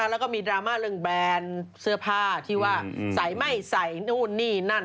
แล้วก็มีดราม่าเรื่องแบรนด์เสื้อผ้าที่ว่าใส่ไม่ใส่นู่นนี่นั่น